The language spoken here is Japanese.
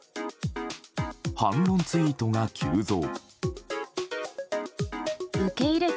反論ツイートが急増。